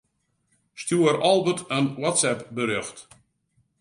Stjoer Albert in WhatsApp-berjocht.